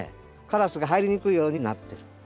カラスが入りにくいようになってる。